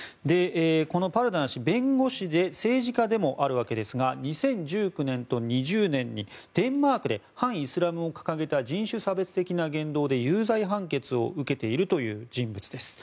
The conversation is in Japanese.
このパルダン氏、弁護士で政治家でもあるわけですが２０１９年と２０年にデンマークで反イスラムを掲げた人種差別的な言動で有罪判決を受けているという人物です。